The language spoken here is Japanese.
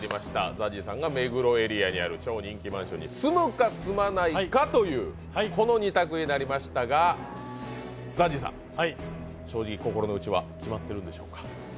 ＺＡＺＹさんが目黒エリアにある超人気マンションに住むか、住まないかこの２択になりましたが、ＺＡＺＹさん正直心のうちは決まっているんでしょうか？